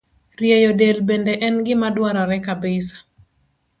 Rieyo del bende en gima dwarore kabisa.